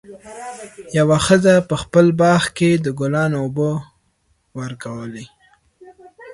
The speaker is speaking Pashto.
یوه ښځه په خپل باغ کې د ګلانو اوبه ورکولې.